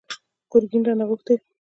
ګرګين رانه غوښتي!